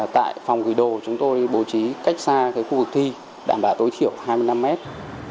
tại phòng gửi đồ chúng tôi bố trí cách xa khu vực thi đảm bảo tối thiểu